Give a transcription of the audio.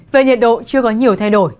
về nhiệt độ chưa có nhiều thay đổi